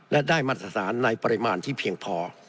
และได้มาตรฐานในปริมาณที่เพียงพอ